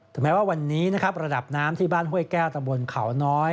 ถึงแม้ว่าวันนี้ระดับน้ำที่บ้านเฮ้วยแก้วตำบลเขาน้อย